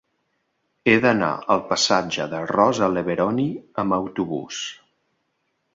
He d'anar al passatge de Rosa Leveroni amb autobús.